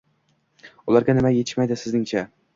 Ularga nima yetishmaydi sizningcha?